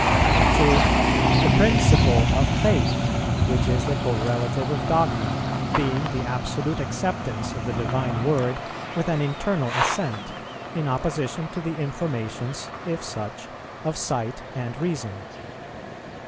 2. The principle of faith, which is the correlative of dogma, being the absolute acceptance of the divine Word with an internal assent, in opposition to the informations, if such, of sight and reason.